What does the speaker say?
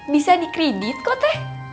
bisa dikredit kok teh